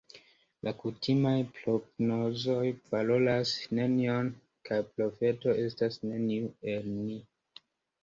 La kutimaj prognozoj valoras nenion, kaj profeto estas neniu el ni.